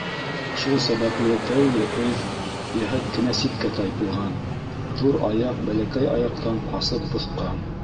Шул сәбәпле тәүге эҙ йәһәт кенә ситкә тайпылған: Ҙур Аяҡ Бәләкәй Аяҡтан ҡасып боҫҡан.